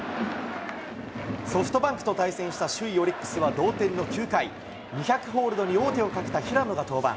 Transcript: ソフトバンクと対戦した首位オリックスは、同点の９回、２００ホールドに王手をかけた平野が登板。